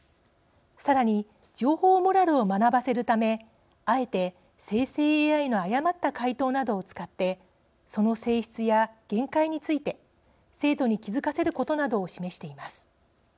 さらに情報モラルを学ばせるためあえて生成ＡＩの誤った回答などを使ってその性質や限界について生徒に気付かせることなどを示しています。